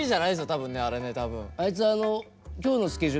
多分ねあれね多分。